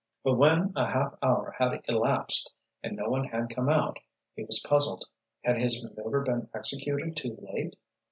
But, when a half hour had elapsed and no one had come out, he was puzzled. Had his maneuver been executed too late?